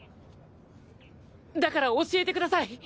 だから教えてください！